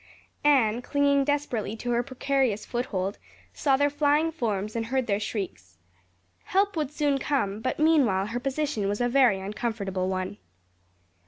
Anne, clinging desperately to her precarious foothold, saw their flying forms and heard their shrieks. Help would soon come, but meanwhile her position was a very uncomfortable one.